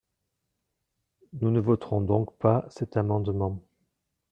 Nous ne voterons donc pas cet amendement.